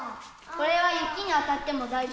これは雪に当たっても大丈夫。